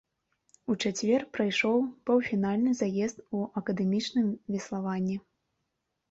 У чацвер прайшоў паўфінальны заезд у акадэмічным веславанні.